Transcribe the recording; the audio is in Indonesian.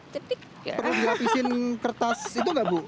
perlu dirapisin kertas itu gak bu